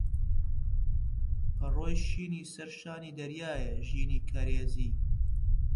پەڕۆی شینی سەرشانی دەریایە ژینی کەرێزی